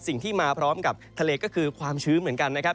สิ่งที่มาพร้อมกับทะเลก็คือความชื้นเหมือนกันนะครับ